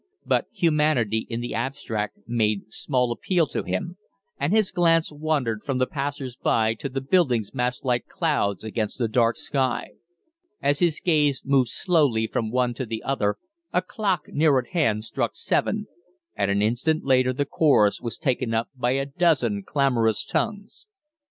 But humanity in the abstract made small appeal to him, and his glance wandered from the passers by to the buildings massed like clouds against the dark sky. As his gaze moved slowly from one to the other a clock near at hand struck seven, and an instant later the chorus was taken up by a dozen clamorous tongues.